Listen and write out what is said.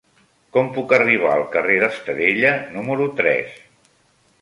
Com puc arribar al carrer d'Estadella número tres?